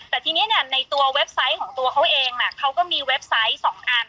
แต่ทีนี้ในตัวเว็บไซต์ของตัวเขาเองเขาก็มีเว็บไซต์๒อัน